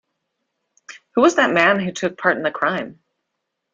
Who was the man who took a part in the crime?